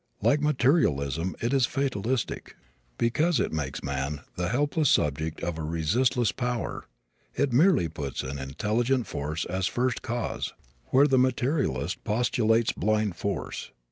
Like materialism it is fatalistic because it makes man the helpless subject of resistless power. It merely puts an intelligent force as first cause where the materialist postulates blind force.